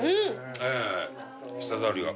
舌触りが。